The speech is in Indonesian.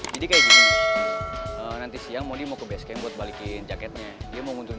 jadi kayak gini nih nanti siang moni mau ke bs kemboot balikin jaketnya dia mau ngunturin